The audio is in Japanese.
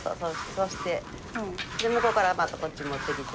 そうして向こうからバッとこっち持ってきて。